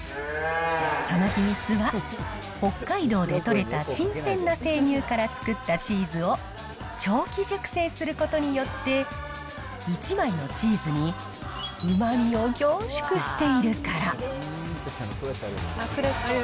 その秘密は、北海道で取れた新鮮な生乳から作ったチーズを、長期熟成することによって、１枚のチーズにうまみを凝縮しているから。